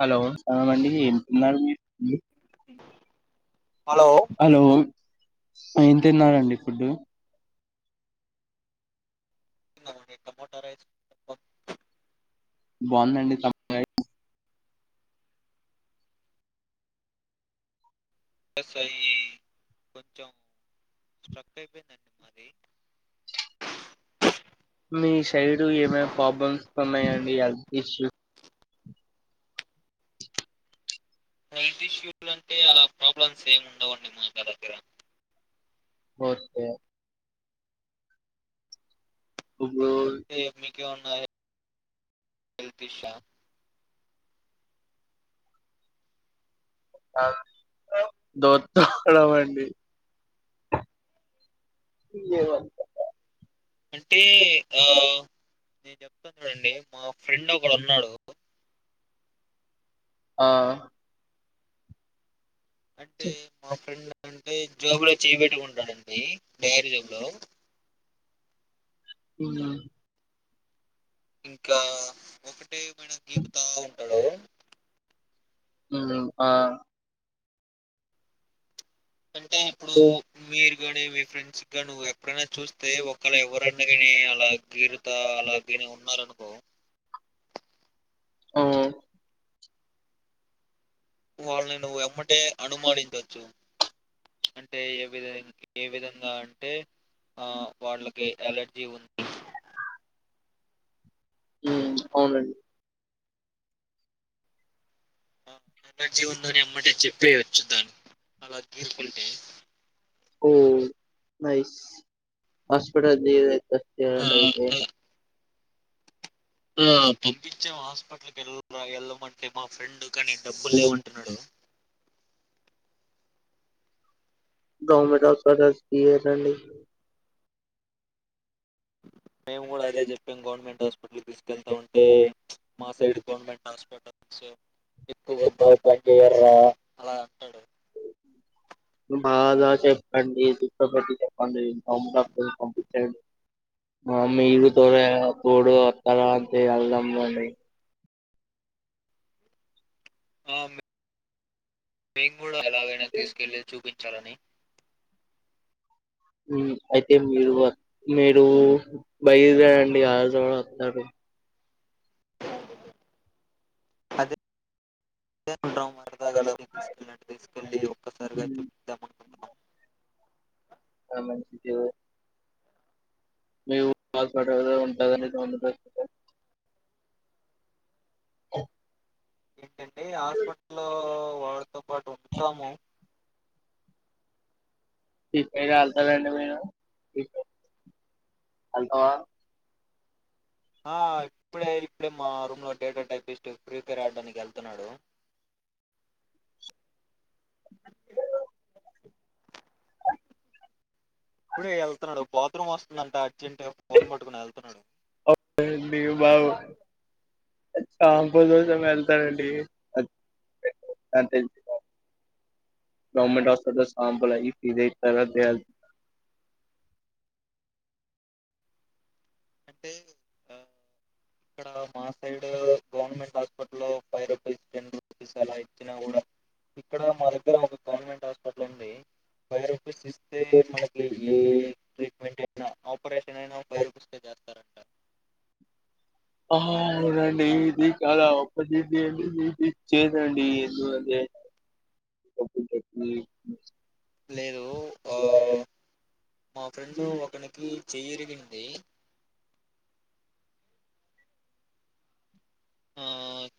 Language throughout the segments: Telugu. హలో అమండి [unintelligible] హలో హలో ఏం తిన్నారండి ఫుడ్డు మాది టమోటా రైస్ పప్పు బాగుందండి తమో రై సరి కొంచెం స్ట్రక్ అయిపోయింది అండి మాది మీ శరీరు ఏమైనా ప్రాబ్లమ్స్ ఉన్నాయండి హెల్త్ ఇష్యూ హెల్త్ ఇష్యూస్ అంటే అలా ప్రాబ్లమ్స్ ఏమి ఉండవండి మాగా దగ్గర వొస్తే [unintelligible] క్యన్నాయి హెల్తీషా ఆ దోత్తనం అండి అంటే ఆ నేను చెప్తాను చూడండి మా ఫ్రెండ్ ఒకడు ఉన్నాడు ఆ అంటే చి- మా ఫ్రెండ్ అంటే జేబులో లో చేయ పెట్టుకుంటాడండి [unintelligible] మ్మ్ ఇంకా ఒకటి టె బెడకింత హలో మ్మ్ ఆ అంటే ఇప్పుడు మీరు కాగాని మీ ఫ్రెండ్స్గా నువ్వు ఎప్పుడైనా చూస్తే ఒకళ ఎవరనా కానీ అలా గీరుతా అలాగని ఉన్నారు అనుకో ఓ వాళ్ళని నువ్వు ఎమ్మటే అనుమానించచ్చు అంటే ఏ విధ ఏ విధంగా అంటే ఆ వాళ్ళకి అలర్జీ మ్మ్ అవునండి ఆ ఎలర్జీ ఉందని ఎమ్మటే చెపొయచ్చు దాన్ అలా తీస్ కుంటే ఓ నైస్ హాస్పిటల్ [unintelligible] వస్తే ఆ ఏమండి అయితే ఆ ఆ పంపించాము హాస్పిటల్కి వెలరా వెళ్ళమంటే, మా ఫ్రెండ్ కానీ డబ్బు లేవ్ అంటున్నాడు. గవర్మెంట్ హాస్పిటల్ కి ఇయ్యకండి. మేము కూడా అదే చెప్పాం గవర్నమెంట్ హాస్పిటల్కి తీసుకెళ్తా ఉంటే మా సైడ్ గవర్నమెంట్ హాస్పిటల్ స్ ఎక్కువ బా పన్ జేయర్రా అలా అంటాడు బాగా చెప్పండి కూర్చో పెట్టి చెప్పండి పంపించండి, మా మీరు తో తోడు వస్తారా అంతే వెళ్దాము అనీ. ఆ మ్ పెయింగ్ ఎలాగైనా తీసుకెల్లీ చూపి చాలని అయితే మీరు మీరు బయదేరండి ఆజ న్ వస్తారు అదే అంటం మరి అలగడం తీసుకెల్లినట్టు తీసుకెళ్లి ఒక్కారిగా ఉమ్, చూపిద్దామన్ ఆ మంచి జో మీ వూర్ హాస్పిటల్ లో ఉంటది అని మందు దొరికితే ఏంటండి హాస్పిటల్ వాడితో పాటు ఉంటాము ఇట్టే కళ్తదని పోయినావ్ ఆ ఇప్పు డే ఇప్పుడే మా రూమ్ లో డేటా టైపిస్ట్ ఫ్రెఫైర్ ఆడడానికి వెళ్తున్నాడు ఇప్పుడే వెళ్తున్నాడు బాత్రూమ్ వస్తుందంట తింటే ఫోన్ పట్టుకుని వెళ్తున్నాడు అవునండి సాంపూ కోసం వెళ్తారండి గవర్నమెంట్ హాస్పిటల్ సాాంపూల్ అయి ఫ్రీ గా [inaudible] అంటే ఆ ఇక్కడ మా side government hospital, five rupees ten rupees అలా ఇచ్చినా కూడా, ఇక్కడ మా దగ్గర ఒక గవర్నమెంట్ హాస్పిటల్ ఉంది ఫైవ్ రూపీస్ ఇస్తే మనకి ఏ ట్రీట్మెంట్ అయినా ఆపరేషన్ అయినా ఫైవ్ రూపీస్. కే చేస్తారంట ఆ హా అవునండి ఇది చాలా అప్పొర్చునిటి అండి మీకు ఇచ్చేది అండి ఏదో అది [inaudible] లేదు ఆ మా ఫ్రెండ్ ఒకనికి చేయి ఇరిగింది ఆ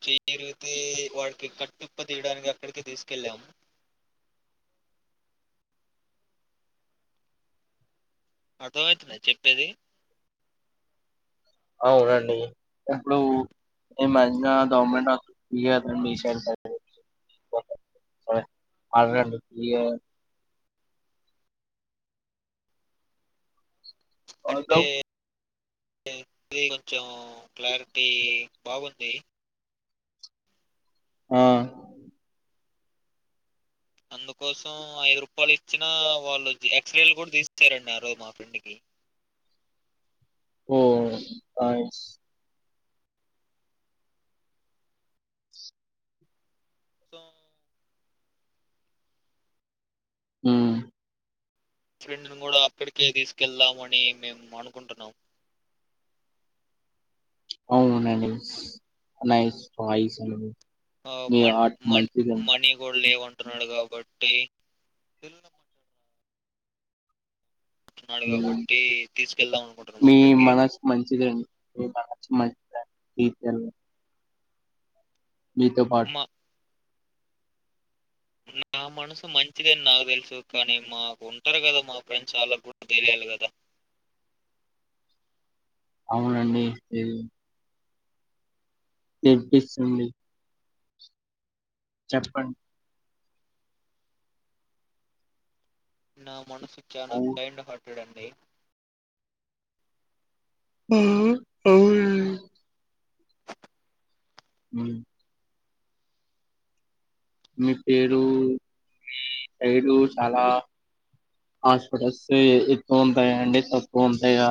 చేయి ఇరిగితే వాడికి కట్టుప్ప తీయడానికి అక్కడికి తీసుకెళ్ళామ్ అర్థమయితుందా చెప్పేది అవునండి ఇప్పుడు ఏ మధ్య గవర్నమెంట్ [inaudible] అంటే ఇది కొంచెం క్లారిటీ బాగుంది ఆ అందుకోసం ఐదు రూపాల్ ఇచ్చిన వాళ్ళు, ఎక్స్రేలు కూడా తీస్తారండి ఆ రోజు మా ఫెండ్కి ఓ నైస్ సో హ్మ్ ఫ్రెండ్ని కూడా అక్కడికే తీసుకెళ్దామ అని మేము అనుకుంటున్నాం అవునండి నైస్ బాయ్స్ అండి మీర్ ఆ మన్ మన్ మనీ గూడ లేవన్ టున్నాడు కాబట్టి న్నాడు హ్మ్ కాబట్టి తీసుకెళ్దాం అనుకుంటున్నాం మీ అక్కడికి మనసు మంచిదన్ మంచి దన్ పీత రే మీతో పాఠ మా నా మనసు మంచిదని నాకు తెలుసు కానీ మాకు ఉంటారు కదా మా ఫ్రెండ్ వాళ్ళకి కూడా తెలియాలి కదా అవునండి ఏ [inaudible] చెప్పండి నా మనస్సు చానా అవు కైండ్ హార్ట్ చూడండి మ్మ్ మ్మ్ మీ పేరు పైరు చాలా హాస్పిటల్స్ ఎక్కువ ఉంటాయంండి తక్కువ ఉంటాయి హా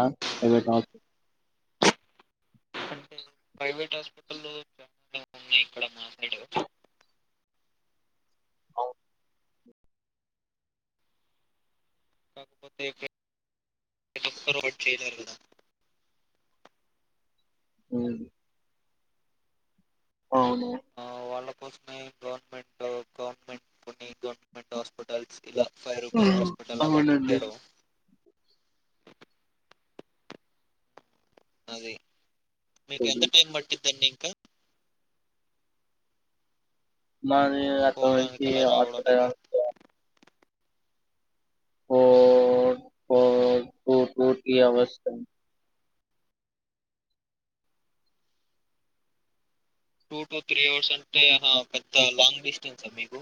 అంటే ప్రైవేట్ హాస్పిటల్ చాల బ ఉన్నాయి ఇక్కడ మా సైడ్ అవు కాకపోతేక్క రడ్ చేయారు కదా మ్మ్ అవునా ఆ వాళ్ళ కోసమే గవర్నమెంట్ గవర్నమెంట్ కొని గవర్నమెంట్ హాస్పిటల్స్ ఇలా ఫైవ్ రూపీస్ హ్మ్. హాస్పిటల్ అలా అవునండి పెట్టారు అది మీకు సరే ఎంత టైం పట్టిది అండి మాది అక్కడ పోవడానికి నుంచి అలా రావడానికి హాస్పిటల్ ఓ ప టఊటీ అవస్థ టూ టు త్రీ అవర్స్ అంటే పెద్ద లాంగ్ డిస్టెన్సా మీకు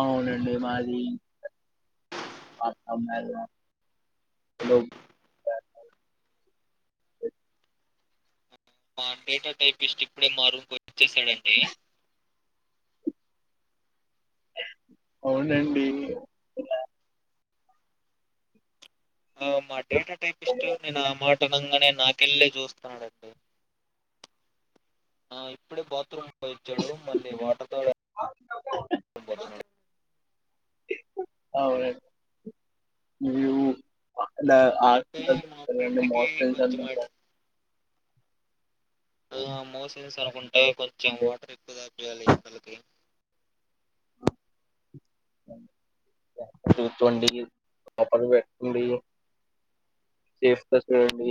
అవును అండి మాది మా డేటా టైప్ ఇస్ట్ ఇప్పుడే మా రూమ్కి వాచ్ వచ్చేసాడంండి అవునండి ఆ మా డేటా టైప్ ఇస్ట్ నేను ఆ మాట్ కణంగానే నాకెళ్ళ చూస్తున్నాడంండి ఆ ఇప్పుడే బాత్రూమ్ ఇచ్చాడు మళ్ళీ వాటర్తో అవును మ్మ్ అలా [inaudible] అంటే మా ఫ్రెండ్కి కొంచెం మోషన్స్ అనుకుంటే కొంచెం వాటర్ ఎక్కువ తాపియాలి ఎండలకి ూండి ప్రాపర్ పెట్ండి సేఫ్గా చూడండి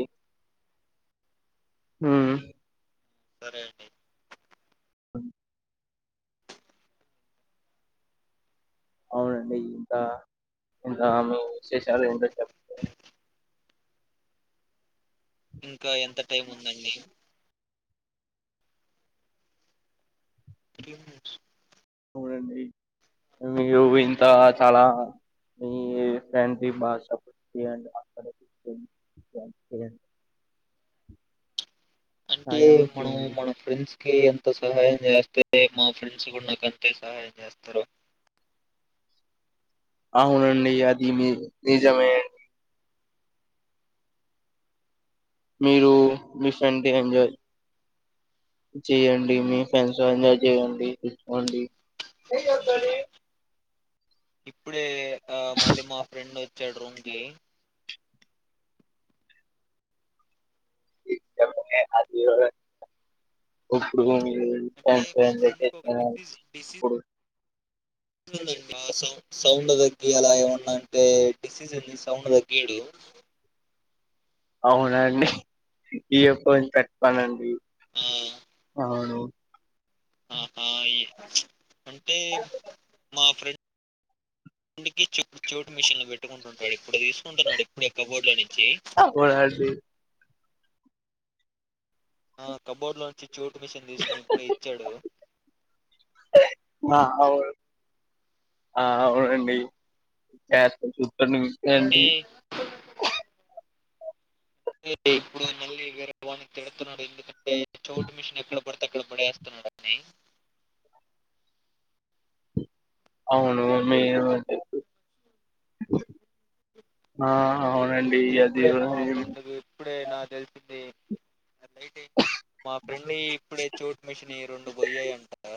సరే అండి అ అవునండి ఇకా ఇకామె విశేషాలూ ఏంటో చెప్తే ఇంకా ఎంత టైం ఉందండి ఇ అవునండీ మీరు ఇంత చాలా మీ ఫ్రెండ్ బాష [inaudible] అంటే సాయం మనం చేయండి మన ఫ్రెండ్స్ ఎంత సహాయం చేస్తే మా ఫ్రెండ్స్ కూడా నాకు అంతే సహాయం చేస్తారు అవునండీ అది మీ నిజమే మీరూ మీ ఫ్రెండ్ ఎంజాయ్ చేయండి మీ ఫ్రెండ్స్ ఎంజాయ్ చేయండి చూచకోండి న చెద్దడి ఇప్పుడే ఆ మళ్ళి మా ఫ్రెండ్ ఒచ్చాడు రూమ్కి ఆది అంటే మా ఫ్రెండ్కి ఒక డిసీజ్ డిసీజ్ ఇప్పుడు డి సౌ సౌండ్ దగ్గి అలా ఏమన్నా అంటే డిసీజని సౌండ్ దగ్గీడు అవునండి ఈ ఎప్ప పెట్టుతనండి ఆ ఔను ఆహా అంటే మా ఫ్రెండ్కి చౌటు మిషన్ లో పెట్టుకుంటుంటాడు ఇప్పుడు తీసుకుంటున్నాడు ఇప్పుడ కబోర్డ్ లో నుంచి అవునండి ఆ కబోర్డ్ లోంచి చోటు మిషన్ తీసుకుని ఇప్పుడె ఇచ్చాడు ఆ అవును ఆ అవునండి చేస్త్ అంటే ఏంటి ఇప్పుడు మళ్ళీ వేరే వానికి తిడుతున్నాడు ఎందుక చోట్ మిషన్ ఎక్కడ తక్కడ బడేస్తున్నాడ్ అని అవును మీ అవునండి అది ఇప్పుడే మా ఫ్రెండ్ ఇప్పుడే నాక్ తెలిసింది మా ఫ్రెండి ఇప్పుడే చోట్ మిషినీ రెండు పోయ్యాయి అంటా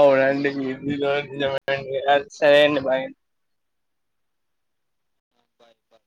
అవునండి మీడి [inaudible] సరే అండి బాయ్ ఆ